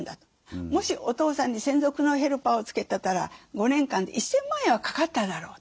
もしお父さんに専属のヘルパーをつけてたら５年間で１，０００万円はかかっただろうと。